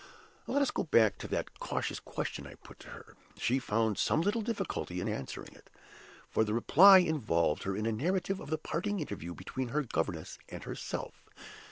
Let us go back to that cautious question I put to her. She found some little difficulty in answering it, for the reply involved her in a narrative of the parting interview between her governess and herself.